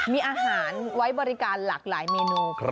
มีอาหารไว้บริการหลากหลายเมนู